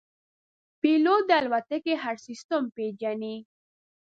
پیلوټ د الوتکې هر سیستم پېژني.